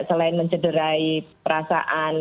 selain mencederai perasaan